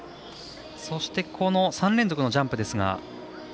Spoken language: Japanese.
そして３連続のジャンプ。